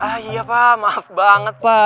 ah iya pak maaf banget pak